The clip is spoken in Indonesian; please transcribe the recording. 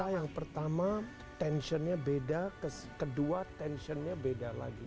jadi kita yang pertama tensionnya beda kedua tensionnya beda lagi